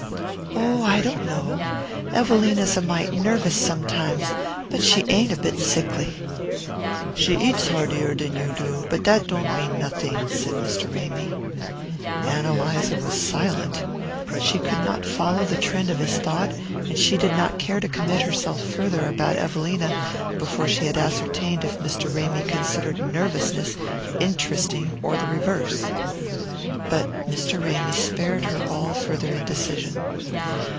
"Oh, I don't know. Evelina's a mite nervous sometimes, but she ain't a bit sickly." "She eats heartier than you do; but that don't mean nothing," said Mr. Ramy. Ann Eliza was silent. She could not follow the trend of his thought, and she did not care to commit herself farther about Evelina before she had ascertained if Mr. Ramy considered nervousness interesting or the reverse. But Mr. Ramy spared her all farther indecision.